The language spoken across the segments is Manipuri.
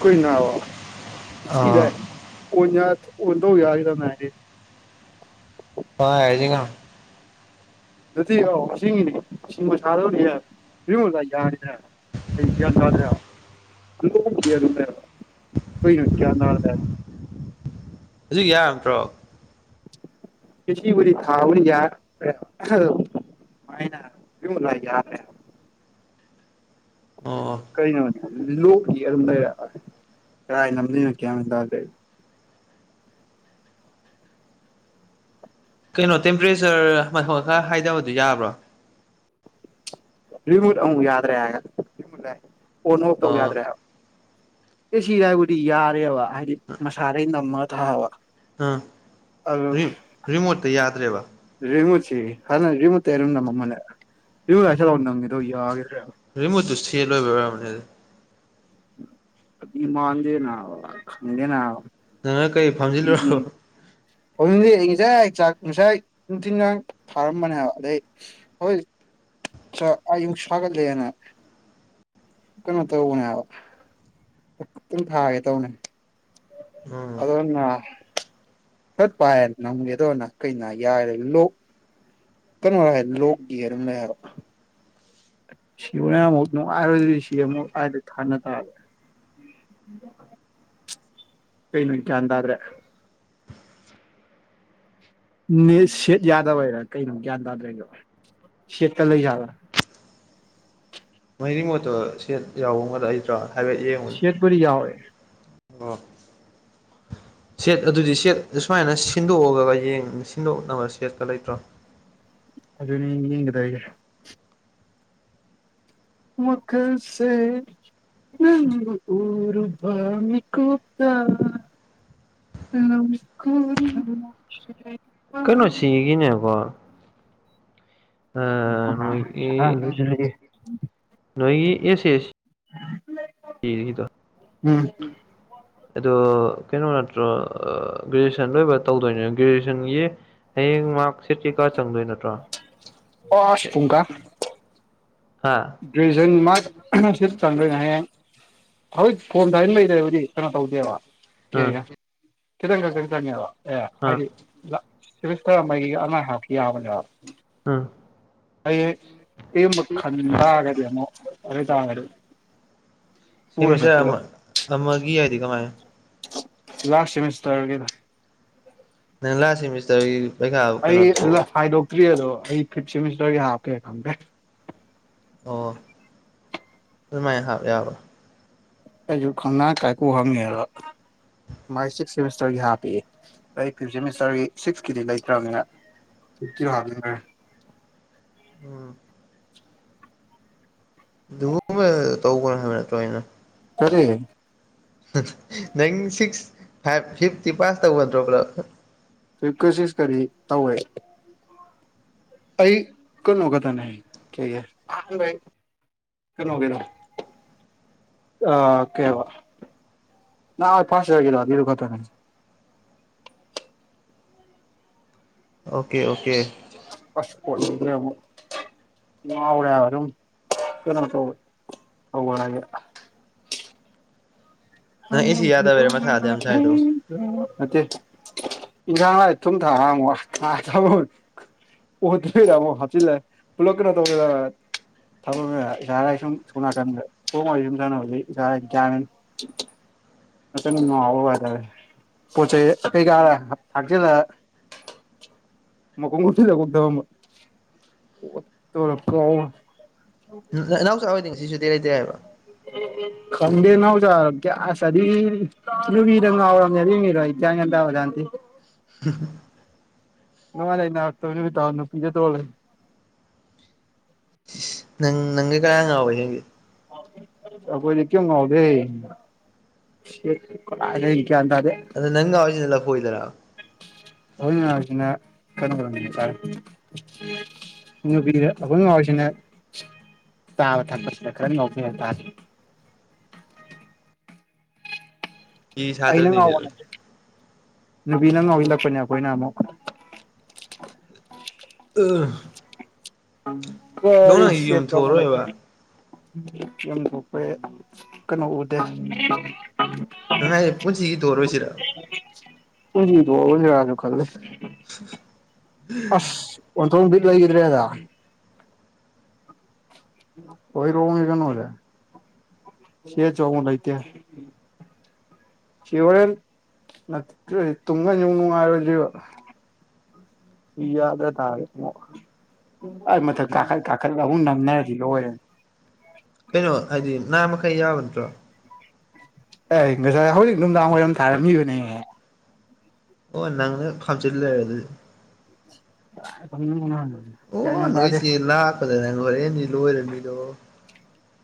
ꯀꯣꯏ ꯅꯅꯥ ꯑ ꯑꯥ ꯁꯤꯗꯥꯥꯏ ꯀ [unintelligible] ꯎꯗꯣ ꯌꯥꯏꯈꯤꯗ ꯉꯥꯢꯔꯤ ꯄꯥꯏꯔꯨꯔꯖꯤ ꯉꯍꯥꯛ ꯑꯗꯨꯗꯤ ꯑꯣ ꯉꯁꯤꯒꯤꯅꯤ ꯁꯤꯡꯕ ꯁꯥꯗꯧꯅꯤ ꯌ ꯌꯨꯃꯨꯗꯥꯢ ꯌꯥꯅꯤꯅꯦ ꯑꯩ ꯒ꯭ꯌꯥꯥꯟ ꯇꯥꯗ꯭ꯔꯦꯑꯕ ꯂꯨꯍꯣꯡꯕꯕꯨꯗꯤ ꯒ꯭ꯌꯥꯟ ꯑꯗꯨꯝ ꯇꯥꯢꯕ ꯑꯈꯣꯏ ꯅ ꯀ꯭ꯌꯥ ꯅꯔꯗ꯭ꯔꯦ ꯍꯧꯖꯤꯛ ꯌꯥꯠꯇ꯭ꯔꯣ ꯐꯤꯐꯇꯤꯕꯨꯗꯤ ꯊꯥꯎꯕꯅꯤ ꯌꯥ [unintelligible] ꯃꯥꯏꯅ [unintelligible] ꯌꯥꯔꯦ ꯑꯣ ꯀꯩꯅꯣꯅꯦ ꯂꯣꯛꯒꯤ ꯑꯗꯨꯝ ꯂꯩꯔꯛ ꯀꯥꯏ ꯂꯝꯂꯤꯅ ꯒ꯭ꯌꯥꯟ ꯇꯗꯦ ꯀꯩꯅꯣ ꯇꯦꯝꯄꯔꯦꯆꯔ ꯃꯊꯛ ꯈꯔ ꯍꯥꯏꯗꯕꯗꯨ ꯌꯥꯕ꯭ꯔꯣ ꯔꯤꯃꯨꯠ ꯑꯃꯨꯛ ꯌꯥꯗ꯭ꯔꯦ ꯍꯥꯏꯒ ꯑꯣꯟ ꯑꯣꯐ ꯇꯧꯕ ꯑꯣ ꯌꯥꯥꯗ꯭ꯔꯦ ꯍꯥꯏꯕ ꯑꯦ ꯁꯤꯗ ꯍꯥꯢꯕꯨꯗꯤ ꯌꯥꯔꯦꯕ ꯍꯥꯏꯗꯤ ꯃꯁꯥꯗꯩ ꯅꯝꯃꯒ ꯊꯥꯕ ꯑꯥ ꯑꯗꯨ ꯔꯤꯝ ꯔꯤꯃꯣꯠꯇ ꯌꯥꯗ꯭ꯔꯦꯕ ꯔꯤꯃꯨꯠꯁꯤ ꯍꯥꯟꯅ ꯔꯤꯃꯨꯠꯇꯩꯔꯨꯝ ꯅꯃ ꯃꯥꯜꯂꯦ ꯔꯤꯉꯨꯠ ꯍꯥꯏꯁꯂꯥꯎ ꯅꯪꯉꯦꯗꯧ ꯌꯥꯒꯦꯗ꯭ꯔꯦ ꯔꯤꯃꯨꯠꯇꯨ ꯁꯦꯟ ꯂꯣꯏꯕꯩ ꯑꯣꯢꯔꯝꯅꯤ ꯑꯗꯨꯗꯤ ꯑꯗꯤ ꯃꯥꯟꯗꯦꯅ ꯑ ꯈꯪꯗꯦꯅ ꯑꯗ ꯅꯪꯥꯏ ꯀꯔꯤ ꯐꯥꯝꯖꯤꯜꯂꯨꯔꯕ ꯍꯧꯖꯤꯗꯤ ꯑꯩ ꯉꯁꯥꯏ ꯆꯥꯛ ꯉꯁꯥꯏ ꯅꯨꯡꯊꯤꯜꯒ ꯊꯥꯔꯝꯕꯅꯦꯕ ꯍꯥꯏꯕ ꯑꯗꯩ ꯍꯧꯋꯦ ꯉꯁꯥꯢ ꯑꯌꯨꯛ ꯁꯥꯒꯠꯂꯦꯅ ꯀꯩꯅꯣ ꯇꯧꯕꯅꯦ ꯍꯥꯏꯕ ꯄꯨꯡ ꯊꯥꯒꯦ ꯇꯧꯅꯦ ꯎꯝ ꯑꯗ ꯑꯩꯅ ꯆꯠ ꯄꯥꯏꯔ ꯅꯝꯒꯦꯗꯧꯅ ꯀꯩꯅ ꯌꯥꯏꯔꯦ ꯂꯣꯛ ꯀꯩꯅꯣ ꯍꯥꯏ ꯂꯣꯛꯒꯤꯔꯝ ꯂꯩ ꯍꯥꯢꯕ ꯁꯤꯕꯅꯦꯅꯃꯨꯛ ꯅꯨꯡꯉꯥꯢꯔꯣꯢ ꯑꯗꯨꯗꯤ ꯁꯤꯗꯤ [unintelligible] [inaudible] ꯀꯩꯅꯣ ꯑꯩ ꯒ꯭ꯌꯥꯟ ꯇꯥꯗ꯭ꯔꯦ ꯅꯦꯠ ꯁꯦꯠ ꯌꯥꯗꯕꯩꯔꯥ ꯀꯩꯅꯣ ꯒ꯭ꯌꯥꯟ ꯇꯥꯗ꯭ꯔꯦ ꯗꯣ ꯁꯦꯠꯀ ꯂꯩ ꯌꯥꯕ꯭ꯔꯥ ꯃꯣꯢ ꯔꯤꯃꯣꯠꯇꯣ ꯁꯦꯠ ꯌꯥꯎꯕ ꯑꯃ ꯂꯩꯇ꯭ꯔꯥꯔꯦ ꯁꯦꯠꯄꯨꯗꯤ ꯌꯥꯎꯋꯦ ꯑꯣ ꯁꯦꯠ ꯑꯗꯨꯗꯤ ꯁꯦꯠ ꯁꯨꯃꯥꯏꯅ ꯁꯤꯟꯗꯣꯛꯑꯒ ꯌꯦꯡ ꯁꯤꯟꯗꯣꯛꯅꯕ ꯁꯦꯠꯀ ꯂꯩꯇ꯭ꯔꯣ [inaudible] ꯑꯗꯨꯅꯤ ꯌꯦꯡꯅꯤꯡꯗ꯭ꯔꯦ ꯑꯩꯗꯤ ꯋꯥꯈꯜꯁꯦ ꯅꯪꯕꯨ ꯎꯔꯨꯕꯥ ꯃꯤ ꯀꯨꯞꯇꯥ ꯂꯧ ꯈꯨꯠ [unintelligible] ꯀꯩꯅꯣ ꯁꯤꯒꯤꯅꯦꯕꯣ ꯑ ꯅꯣꯏꯒꯤ ꯅꯣꯏꯒꯤ ꯑꯦꯁ ꯑꯦꯁ ꯗꯤꯒꯤꯗꯣ ꯑꯗꯣ ꯀꯩꯅꯣ ꯅꯠꯇ꯭ꯔꯣ ꯑ ꯒ꯭ꯔꯦꯖꯨꯑꯦꯁꯟ ꯂꯣꯏꯕ ꯇꯧꯗꯣꯏꯅꯤꯅ ꯒ꯭ꯔꯦꯖꯨꯑꯦꯁꯟꯒꯤ ꯍꯌꯦꯡ ꯃꯥꯔꯛ ꯁꯤꯠ ꯀꯩꯀꯥ ꯆꯪꯗꯣꯏ ꯅꯠꯇ꯭ꯔꯣ ꯑꯣꯁ ꯄꯨꯡꯀ ꯍꯥ ꯒ-꯭ꯔꯦꯖꯨꯑꯦꯁꯟ ꯃꯥꯛ ꯁꯤꯠ ꯆꯪ꯭ꯔ ꯍꯥꯏꯌꯦꯡ ꯍꯧ ꯐꯣꯝ ꯁꯥꯏꯅ ꯂꯩꯗ꯭ꯔꯕꯨꯗꯤ ꯀꯩꯅꯣ ꯇꯧꯗꯦꯕ ꯎꯝ ꯀꯦꯒ ꯈꯤꯇꯪ ꯈꯛꯇꯪ ꯆꯪꯉꯦꯕ ꯑꯦ ꯎꯝ ꯍꯥꯏꯗꯤ ꯁꯤꯗ ꯁꯤꯕꯤꯁꯇꯔ ꯑꯃꯒꯤ ꯑꯅꯥ ꯍꯥꯞꯀꯤ ꯌꯥꯕꯅꯦꯕ ꯎꯝ ꯑꯩꯌꯦ ꯇꯦꯃꯨꯠ ꯈꯟꯇꯥꯒꯗꯤ ꯑꯃꯨꯛ ꯑꯗꯨ ꯇꯥꯒꯗꯤ ꯁꯦꯃꯤꯁꯔ ꯑꯃ ꯑꯃꯒꯤ ꯍꯥꯏꯗꯤ ꯀꯃꯥꯏꯅ ꯂꯥꯁ ꯁꯦꯃꯤꯁꯇꯔꯒꯦꯗ ꯀꯩꯅꯣ ꯂꯥꯁ ꯁꯤꯃꯤꯁꯇ꯭ꯔꯒꯤꯁꯨ ꯑꯩꯒꯤ ꯍꯟꯗꯛ ꯍꯥꯏꯗꯣꯛꯇ꯭ꯔꯤ ꯑꯗꯣ ꯑꯩ ꯐꯤꯞ ꯁꯦꯃꯤꯁꯇꯔꯒꯤ ꯍꯥꯞꯀꯦ ꯈꯪꯗꯦ ꯑꯣ ꯗꯨꯃꯥꯏ ꯍꯥꯞ ꯌꯥꯕ꯭ꯔꯣ ꯑꯩꯖꯨ ꯈꯪꯅ ꯊꯥꯏ ꯀꯣꯛ ꯍꯥꯝꯃꯤꯉꯦꯂ ꯃꯥꯏ ꯁꯤꯛꯁ ꯁꯦꯃꯤꯁꯇꯔꯒꯤ ꯍꯥꯞꯄꯦꯑꯦ ꯑꯩ ꯐꯤꯞ ꯁꯦꯃꯤꯁꯇꯔꯒꯤ ꯁꯤꯛꯁꯀꯤꯗꯤ ꯂꯩꯇ꯭ꯔꯝꯅꯤꯅ [unintelligible] ꯎꯝ ꯗꯨꯒꯨꯝꯕ ꯇꯧꯕ ꯅꯣꯏ ꯂꯣꯏꯅ ꯀꯔꯤ ꯅꯪ ꯁꯤꯛꯁ ꯐꯥꯏꯚ ꯐꯤꯚꯇꯤ ꯄꯥꯁ ꯇꯧꯒꯗ꯭ꯔꯣꯕ꯭ꯂꯥ ꯐꯤꯞ ꯀ ꯁꯤꯀꯁ ꯀꯗꯤ ꯇꯧꯔꯦ ꯑꯩ ꯀꯅꯣ ꯈꯛꯇꯅꯦ ꯀꯌꯥ ꯑꯍꯥꯟꯕꯩ ꯀꯩꯅꯣ ꯀꯩꯅꯣ ꯑ ꯀꯩꯍꯥꯏꯕ ꯅ ꯐꯥꯁ ꯌꯔꯒꯤꯔꯣ ꯅꯤꯔꯨ ꯈꯛꯇꯅꯦ [inaudible] ꯑꯣꯀꯦ ꯑꯣꯀꯦ ꯑꯁ ꯀꯣꯆꯤꯅꯦ ꯑꯃꯨꯛ ꯉꯥꯎꯔꯦ ꯍꯥꯏꯕ ꯔꯨꯝ ꯀꯅꯣ ꯇꯧ ꯇꯧ [unintelligible] [inaudible] [unintelligible] ꯅꯪ ꯑꯦꯁꯤ ꯌꯥꯗꯕꯩꯔ ꯃꯊꯥꯗ ꯌꯥꯝ ꯁꯥꯏꯗꯣ ꯅꯠꯇꯦ [unintelligible] ꯑꯣ ꯑꯇꯩꯗ ꯑꯃꯨꯛ ꯍꯥꯆꯤꯜꯂꯦ ꯄꯨꯜꯂꯞ ꯀꯅꯣ ꯇꯧ [unintelligible] [unintelligible] [inaudible] ꯍꯟꯗꯛ ꯅꯨꯉꯥꯎꯋꯣ ꯋꯦꯗꯔꯁꯦ ꯄꯣꯠ ꯆꯩꯩ ꯀꯩꯀꯥ ꯊꯛꯆꯤꯜꯂ ꯃꯀꯣꯛ ꯎꯝꯁꯜꯂꯨꯒꯨꯝ ꯇꯧ ꯇꯧꯔ ꯀꯥꯎ [unintelligible] ꯏꯅꯥꯎꯆꯥ ꯍꯣꯢꯗꯤ [inaudible] ꯈꯪ ꯏꯦꯅꯦ ꯅꯥꯎꯖ ꯀ꯭ꯌꯥ ꯁꯥꯊꯤ ꯇꯥ ꯖꯨꯔꯤꯗ ꯉꯥꯎꯔꯝꯅꯦ ꯑꯗꯨꯢ ꯃꯤꯗꯣ ꯑꯩ ꯒ꯭ꯌꯥꯟꯒ ꯇꯥꯕꯖꯥꯠ ꯅꯠꯇꯦ [unintelligible] ꯅꯨꯉꯥꯢ ꯅꯩꯅ ꯇꯧꯅꯤꯇ ꯅꯨꯄꯤꯅ ꯇꯧꯔ ꯅꯪ ꯅꯪꯒꯤ ꯀꯅ ꯉꯥꯎꯋꯦ ꯑꯈꯣꯏꯗꯤ ꯀꯦꯝ ꯉꯥꯎꯗ ꯁꯦꯠ ꯑꯗꯥꯏꯗꯩꯩ ꯑꯗ ꯅꯪ ꯌꯥꯎꯁꯤꯅ ꯂꯐꯣꯏꯗꯔꯥ ꯑꯣꯏꯅꯁꯤꯅ [unintelligible] [unintelligible] ꯑꯈꯣꯏꯃꯥ ꯍꯣꯏꯁꯤꯅ ꯇꯥꯕ ꯊꯛꯄꯁ ꯈ꯭ꯔ ꯈ꯭ꯔ ꯉꯥꯎꯁꯟꯅ ꯇꯥꯁꯤ ꯒꯤ ꯁꯥꯇ꯭ꯔꯅꯤ ꯅꯦ ꯉꯥꯎꯕ ꯅꯠꯇꯦ ꯅꯨꯄꯤꯅ ꯉꯥꯎꯁꯤꯜꯂꯛꯄꯅꯦ ꯑꯩꯈꯣꯏꯅ ꯑꯃꯨꯛ [unintelligible] ꯌꯣꯡ ꯀꯔꯤ ꯅꯪ ꯁꯦꯠ ꯌꯨꯝ ꯌꯧꯃ ꯊꯣꯛꯑꯔꯣꯏꯕ ꯂꯩꯈꯠꯂꯤ ꯄꯦ ꯀꯩꯅꯣ ꯎꯗꯦ ꯇꯪꯍꯥꯏ ꯄꯣꯠꯁꯤꯒꯤ ꯇꯧꯔꯔꯣꯏ ꯁꯤꯔ ꯃꯅꯤꯡ ꯇꯣꯡꯂꯁꯤꯔꯥꯅ ꯈꯜꯂꯦ [inaudible] ꯑꯁ ꯑꯣꯟꯊꯣꯡ ꯕꯤꯠ ꯂꯩꯈꯤꯗ꯭ꯔꯦꯗ ꯍꯣꯏꯔꯣꯡꯒꯤ ꯀꯅꯣꯖꯦ ꯁꯦ ꯆꯧꯕ ꯂꯩꯇꯦ ꯁꯤꯍꯣꯔꯦꯟ ꯅꯠꯇ꯭ꯔꯦ ꯇꯨꯝꯒ꯭ꯔꯗꯤ ꯅꯨꯡꯉꯥꯏꯔꯣꯏꯗꯨꯢꯕ ꯌꯥꯠꯂ ꯇꯥꯔꯦ ꯏꯕꯨꯉꯣ ꯈ꯭ꯋꯥꯏ ꯃꯊꯛ ꯀꯥꯈꯠ ꯀꯥꯈꯥꯠ ꯑꯍꯨꯝ ꯅꯝꯅꯔꯁꯤꯗ ꯑꯣꯏꯔꯦ ꯀꯩꯅꯣ ꯍꯥꯏꯗꯤ ꯉꯥꯃꯈꯩ ꯌꯥꯎꯔꯣꯏꯗ꯭ꯔꯣ ꯑꯦ ꯉꯁꯥꯏ ꯍꯧꯖꯤꯛ ꯅꯨꯡꯗꯥꯡ ꯋꯥꯏꯔꯝ ꯊꯥꯔꯝꯃꯤꯕꯅꯦ ꯑꯣ ꯅꯪꯁꯨ ꯊꯥꯖꯟꯂꯛꯑꯦ ꯑꯗꯨꯗꯤ [unintelligible] ꯑꯣ ꯃꯦꯟ ꯇꯥꯗꯦ ꯅꯣꯏꯆꯦ ꯂꯥꯛꯀꯗꯅ ꯂꯣꯏꯔꯦꯅꯤ ꯂꯣꯏꯔꯅꯤꯗꯣ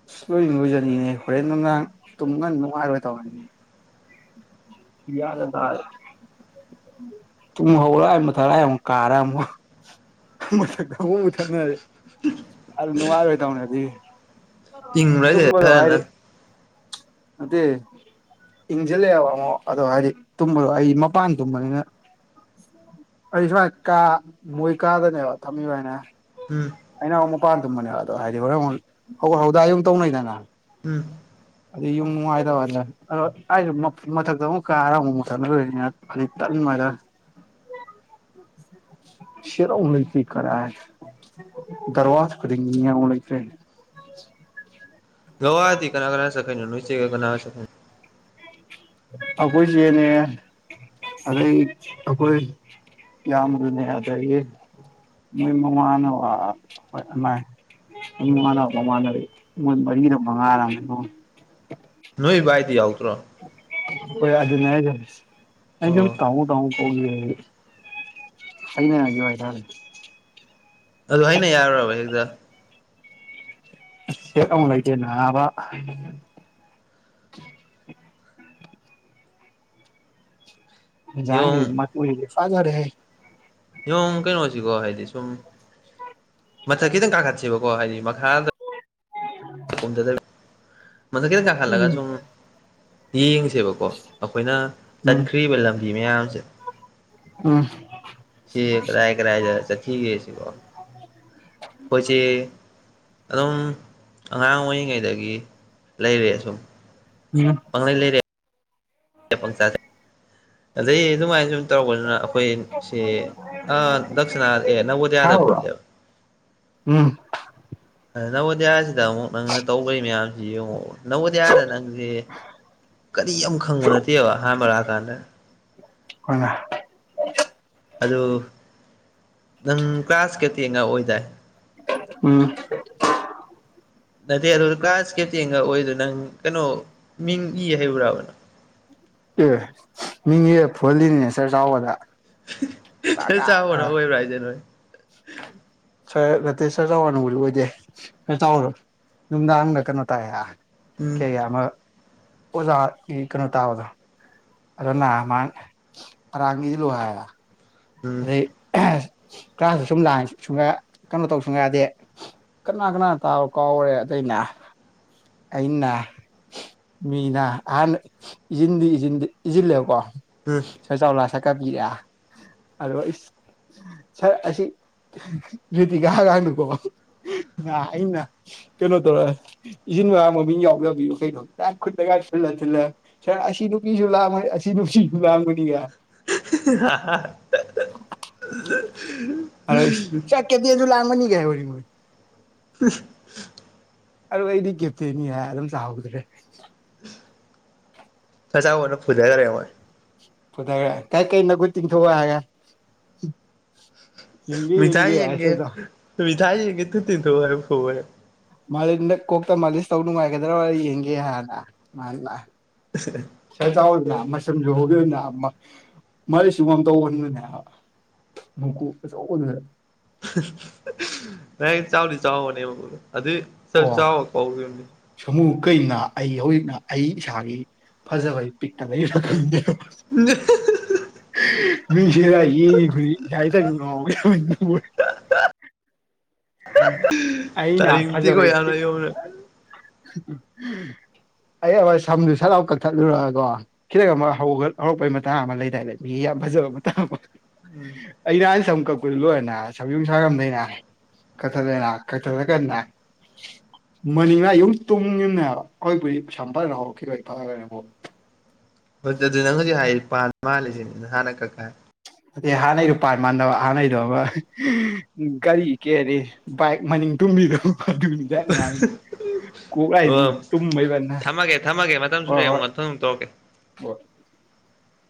ꯑꯁ ꯂꯣꯏ ꯂꯣꯏꯖꯅꯤꯡꯅꯦ ꯍꯣꯔꯦꯟ ꯅꯨꯡꯗꯥꯥꯡ ꯇꯨꯝ ꯉ ꯅꯨꯡꯉꯥꯏꯔꯣꯏ ꯇꯧꯔꯅꯦ ꯒ꯭ꯌꯥꯟ ꯒ ꯇꯥꯗ꯭ꯔꯦ ꯇꯨꯝ ꯍꯧꯒꯠꯂꯥꯢ ꯃꯊꯛꯔꯥꯢ ꯑꯃꯨꯛ ꯀꯥꯔꯥ ꯑꯃꯨꯛ ꯃꯊꯛꯇ ꯑꯃꯨꯛ ꯃꯨꯊꯛꯅꯔ ꯑꯗꯨ ꯅꯨꯡꯉꯥꯏꯔꯣꯏ ꯇꯧꯕꯅꯤ ꯑꯗꯨꯒꯤ ꯏꯪꯕ꯭ꯔꯁꯦ ꯇꯨꯝꯕ ꯗ ꯉꯥꯢꯔꯤ ꯐꯖꯅ ꯅꯠꯇꯦ ꯏꯪꯁꯤꯜꯂꯛꯑꯦꯕ ꯑꯃꯨꯛ ꯑꯗꯣ ꯍꯥꯏꯗꯤ ꯇꯨꯝꯕꯗꯣ ꯑꯩ ꯃꯄꯥꯟ ꯇꯨꯝꯕꯅꯤꯅ ꯑꯩ ꯁꯨꯃꯥꯏ ꯀꯥ ꯃꯣꯏ ꯀꯥꯗꯅꯦꯕ ꯊꯝꯃꯤꯕ ꯍꯥꯏꯅꯦ ꯍꯥꯏ ꯎꯝ ꯑꯩꯅ ꯑꯃꯨꯛ ꯃꯄꯥꯟ ꯇꯨꯝꯕꯅꯦꯕ ꯑꯗꯣ ꯍꯥꯏꯗꯤ ꯍꯣꯔꯦꯟ ꯑꯃꯨꯛ ꯍꯧꯒꯠ ꯍꯧꯗ ꯑꯗꯨꯝ ꯇꯧꯅꯩꯗꯅ ꯎꯝ ꯑꯗꯨ ꯌꯨꯝ ꯅꯨꯡꯉꯥꯏꯗꯕꯂ ꯑꯗ ꯑꯩꯁꯨ ꯃꯊꯛꯇ ꯑꯃꯨꯛ ꯀꯥꯔ ꯑꯃꯨꯛ ꯃꯊꯛꯇ ꯂꯣꯏ ꯇꯜꯕ ꯑꯗ [inaudible] [inaudible] ꯁꯦꯔꯥꯎꯅꯁꯤ ꯀꯗꯥꯢ ꯀꯔꯣꯔ ꯌꯦꯡꯅꯤꯡꯉꯥꯢ ꯑꯝꯕꯥꯎ ꯂꯩꯇ꯭꯭ꯔꯦꯅꯦ [unintelligible] ꯂꯣꯋꯥꯗꯤ ꯀꯅꯥ ꯀꯅꯥ ꯆꯠꯇꯣꯏꯅꯣ ꯅꯣꯏꯆꯦꯒ ꯀꯅꯥ ꯆꯠ ꯑꯩꯈꯣꯏꯁꯦꯅꯦ ꯑꯗꯩ ꯑꯩꯈꯣꯏ ꯏꯌꯥꯝꯕꯗꯨꯅꯦ ꯑꯗꯒꯤ ꯃꯣꯏ ꯃꯃꯥꯅ ꯋꯥ ꯍꯣꯏ ꯑꯃꯥꯢ ꯃꯃꯥꯟꯅ ꯃꯃꯥꯟꯅꯕꯤ ꯃꯣꯏ ꯃꯔꯤꯔ ꯃꯉꯥꯔ ꯁꯨꯕꯅꯤ ꯅꯣꯏ ꯏꯕꯥꯏꯗꯤ ꯌꯥꯎꯗ꯭ꯔꯣ ꯍꯣꯏ ꯑꯗꯨꯅꯦ ꯍꯥꯏꯁꯦ ꯑꯩ ꯁꯨꯝ ꯑꯣ ꯀꯥꯎꯕꯨ ꯀꯥꯎꯕꯨ ꯑꯣꯛ ꯌꯦꯟꯒꯤ ꯍꯣꯏꯅꯤꯡ ꯍꯣꯏꯖꯔꯁꯅꯨ ꯑꯗꯨ ꯑꯩꯅ ꯌꯥꯔꯨꯔꯕ ꯍꯦꯛꯇ ꯁꯦꯛ ꯑꯃꯨꯛ ꯂꯩꯇꯦ ꯅꯕ ꯏꯟꯖꯥꯡꯗꯤ ꯌꯣꯡ ꯃꯟ ꯄꯨꯢꯒꯤꯁꯦ ꯐꯖꯔꯦꯍꯦ ꯑꯗꯨꯝ ꯀꯩꯅꯣꯁꯤꯀꯣ ꯍꯥꯏꯗꯤ ꯁꯨꯝ ꯃꯊꯛ ꯈꯤꯇꯪ ꯀꯥꯈꯠꯁꯦꯕꯀꯣ ꯍꯥꯏꯗꯤ ꯃꯈꯥꯗ ꯑꯗꯨꯗ ꯃꯗꯨ ꯈꯤꯇꯪ ꯀꯥꯈꯜꯂꯒ ꯎꯝ ꯁꯨꯝ ꯌꯦꯡ ꯁꯦꯕꯀꯣ ꯑꯩꯈꯣꯏꯅ ꯎꯝ ꯆꯠꯈ꯭ꯔꯤꯕ ꯂꯝꯕꯤ ꯃꯌꯥꯝꯁꯦ ꯎꯝ ꯁꯤ ꯀꯗꯥꯏ ꯀꯗꯥꯏꯗ ꯆꯠꯁꯤꯒꯦ ꯑꯈꯣꯏꯆꯦ ꯑꯗꯨꯝ ꯑꯉꯥꯡ ꯑꯣꯏꯔꯤꯉꯩꯗꯒꯤ ꯂꯩꯔꯦꯁꯨꯝ ꯎꯝ ꯄꯪꯂꯩ ꯂꯩꯔꯦ ꯑꯦ ꯄꯪꯆꯥ ꯆꯥꯢ ꯑꯗꯩ ꯑꯗꯨꯃꯥꯏꯅ ꯁꯨꯝ ꯇꯧꯔꯔꯕꯅꯤꯅ ꯑꯩꯈꯣꯏ ꯁꯤ ꯗꯛꯁꯤꯅꯥ ꯑꯦ ꯅꯕꯣꯗꯤꯌꯥꯗ ꯍꯥꯎꯕ꯭ꯔꯣ ꯄꯨꯜꯂꯦꯕ ꯎꯝ ꯅꯕꯣꯗꯤꯌꯥꯁꯤꯗ ꯑꯃꯨꯛ ꯅꯪꯅ ꯇꯧꯕꯒꯤ ꯃꯌꯥꯝꯁꯤ ꯌꯦꯡꯉꯣ ꯅꯕꯣꯗꯤꯌꯥꯥꯗ ꯅꯠꯇꯦ ꯀꯔꯤ ꯑꯃꯨꯛ ꯈꯪꯕ ꯅꯠꯇꯦꯕ ꯑꯍꯥꯟꯕ ꯂꯥꯛꯑꯀꯥꯟꯗ ꯍꯣꯏꯅ ꯑꯗꯨ ꯅꯪ ꯀ꯭ꯂꯥꯁ ꯀꯦꯞꯇꯦꯟꯒ ꯑꯣꯏꯗꯥꯏ ꯎꯝ ꯅꯠꯇꯦ ꯑꯗꯨ ꯀ꯭ꯂꯥꯁ ꯀꯦꯞꯇꯦꯟꯒ ꯑꯣꯏꯗꯨꯣ ꯅꯪ ꯀꯩꯅꯣ ꯃꯤꯡ ꯏ ꯍꯩꯕꯕ꯭ꯔꯥꯕ ꯅꯪ [inaudible] ꯑꯦ ꯃꯤ ꯐꯨꯍꯜꯂꯤꯅꯤꯅꯦ ꯆꯔ ꯆꯥꯎꯕꯗ ꯀꯥ ꯁꯔ ꯀꯥ ꯀꯥ ꯆꯥꯎꯕꯅ ꯑꯣꯏꯕ꯭ꯔꯥ ꯍꯥꯏꯁꯦ ꯅꯣꯏ ꯁꯥꯔ ꯔꯇꯦꯁ ꯁꯔ [unintelligible] ꯅꯨꯡꯗꯥꯡꯗ ꯀꯩꯅꯣ ꯇꯥꯏ ꯀꯩ ꯎꯝ ꯀꯌꯥ ꯑꯃ ꯑꯣꯖꯥꯒꯤ ꯀꯩꯅꯣ ꯇꯥꯕꯗꯣ ꯑꯗꯨꯅ ꯃꯪ ꯑꯔꯥꯡꯕꯤꯗꯤ ꯂꯣꯢꯕ ꯎꯝ ꯑꯗꯩ ꯀ꯭ꯂꯥꯁꯇ ꯁꯨꯝ ꯂꯥꯡ ꯁꯨꯡꯒ ꯀꯩꯅꯣ ꯇꯧ ꯁꯨꯡ ꯍꯥꯏꯗꯤ ꯀꯅꯥ ꯀꯅꯥꯅ ꯇꯥꯎ ꯀꯥꯎꯔꯦ ꯑꯗꯨꯗꯏꯅꯦ [inaudible] ꯑꯩꯅ ꯃꯤꯅ ꯑꯍꯟ ꯏꯁꯤꯟꯗꯤ ꯏꯖꯤꯟ ꯏꯖꯤꯜꯂꯦꯕꯀꯣ ꯎꯝ ꯁꯔ ꯆꯂꯥꯛ ꯁꯛ ꯀꯥꯕꯤꯔꯦ ꯑꯣ ꯁꯥꯔ ꯑꯁꯤ ꯔꯦꯇꯤꯀꯥ ꯑꯉꯥꯡꯗꯀꯣ ꯅꯥ ꯑꯩꯅ ꯀꯩꯅꯣ ꯇꯧ ꯏꯆꯤꯟ ꯃꯥ ꯃꯃꯤꯡ ꯌꯥꯎꯖꯕꯤꯌꯨ ꯀꯩꯩꯅꯣ ꯂ ꯈꯨꯠꯇꯒ ꯊꯜꯂ ꯊꯨꯜꯂ ꯁꯔ ꯑꯁꯤ ꯅꯨꯡꯄꯤꯁꯨ ꯂꯥꯡ ꯑꯁꯤ ꯑꯁꯤꯁꯨ ꯂꯥꯡꯕꯅꯤꯒ [unintelligible] ꯑꯔꯣꯏ ꯑꯁ ꯁꯥꯔ ꯀꯦꯞꯇꯦꯟꯖꯨ ꯂꯥꯡꯕꯅꯤꯒꯦ ꯍꯥꯏ ꯎꯁ ꯑꯗꯨ ꯑꯩꯗꯤ ꯀꯦꯞꯇꯦꯟꯅꯤ ꯍꯥꯏ ꯑꯗꯨꯝ ꯆꯍꯧꯗ꯭ꯔꯦ ꯁꯔ ꯆꯥꯎꯅ ꯐꯗꯒꯔꯦ ꯃꯣꯏ ꯐꯨꯙꯒ꯭ꯔꯦ ꯀꯥꯏ ꯀꯩ ꯅꯈꯨꯠ ꯇꯤꯡꯊꯣꯛꯎ ꯍꯥꯏꯒ ꯌꯦꯡꯒꯦ ꯃꯤꯊꯥꯏ ꯌꯦꯡꯒꯦ ꯌꯦꯟꯒꯦ ꯑꯦꯁꯦꯗ ꯃꯤꯊꯥꯏ ꯌꯦꯟꯒꯦ ꯈꯨꯠ ꯇꯤꯡꯊꯣꯛꯑꯣ ꯍꯥꯢꯔ ꯐꯨꯕ ꯃꯥꯂꯦꯝꯗ ꯀꯣꯛꯇ ꯃꯥꯂꯤꯁ ꯇꯧ ꯅꯨꯡꯉꯥꯏꯒꯗ꯭ꯔ ꯌꯦꯡꯒꯦ ꯍꯥꯟꯅ ꯃꯥꯅ ꯁꯔ ꯆꯥꯎꯕꯅ ꯃꯁꯝꯖꯨ ꯍꯧ ꯑꯗꯨꯅ [unintelligible] ꯃꯀꯣꯛ ꯑꯆꯧꯕꯗꯨꯗ ꯗꯥꯢꯔꯦꯛ ꯆꯥꯎꯗꯤ ꯆꯥꯎꯕꯅꯦ ꯃꯀꯣꯛꯇꯣ ꯑꯣ [unintelligible] ꯁꯃꯨ ꯀꯩꯅ ꯑꯩ ꯍꯧꯖꯤꯛꯅ ꯑꯩ ꯏꯁꯥꯒꯤ ꯐꯖꯕ ꯄꯤꯛꯇ ꯂꯩꯕ ꯈꯥꯟꯗꯦ [unintelligible] [unintelligible] ꯑꯩꯩꯅ ꯇꯥꯅꯤꯡꯇꯦꯀꯣ ꯐꯖꯕꯩ ꯌꯥꯝꯅ ꯇꯤꯛ ꯌꯧꯅ ꯑꯩ ꯑꯃ ꯁꯝꯗꯨ ꯁꯠꯂꯥꯎ ꯀꯛꯊꯠꯂꯨꯔꯒꯣ ꯈꯤꯇꯪ ꯑꯃ ꯍꯧ ꯍꯧꯔꯛꯄꯒꯤ ꯃꯇꯥꯡ ꯑꯃ ꯂꯩꯗꯥꯏ ꯂꯩ ꯃꯤꯒꯤ ꯐꯖꯕ ꯃꯇꯥꯡ ꯑꯃ ꯎꯝ ꯑꯩ ꯅꯍꯥꯟ ꯁꯝ ꯀꯛꯄꯨ ꯂꯣꯏꯔꯅ ꯁꯝꯖꯝ ꯁꯥꯔꯝꯗꯅ ꯀꯛꯊꯠꯂꯦꯅ ꯀꯛꯊꯠꯂ ꯀꯥꯟꯗ ꯃꯅꯤꯡꯅ ꯌꯨꯝ ꯇꯨꯡꯉꯅꯦ ꯍꯥꯏꯕ ꯑꯩꯈꯣꯏꯕꯨ ꯄꯩꯁꯥꯝ [unintelligible] [unintelligible] ꯍꯥꯏꯔꯤ ꯄꯥꯟ ꯃꯥꯜꯂꯤꯁꯤꯅꯦ ꯅꯍꯥꯟꯅ ꯀꯛꯄ ꯑ ꯍꯥꯟꯅꯩꯗꯣ ꯄꯥꯔꯠ ꯃꯥꯟꯅꯕ ꯍꯥꯟꯅꯩꯗꯕ ꯒꯥꯔꯤ ꯀꯦꯗꯤ ꯕꯥꯏꯛ ꯃꯅꯤꯡ ꯇꯨꯝꯃꯤꯗ ꯑꯗꯨꯅꯤ ꯗꯥꯢꯛ ꯃꯥꯜꯂꯤ ꯑꯣ ꯊꯝꯃꯒꯦ ꯊꯝꯃꯒꯦ ꯃꯇꯝ [unintelligible] ꯍꯣꯢ ꯁꯨꯔꯦ ꯑꯃꯨꯛ ꯍꯣꯏ ꯃꯊꯪ ꯑꯃꯨꯛ ꯇꯧꯔꯛꯀꯦ ꯍꯣꯢ [inaudible]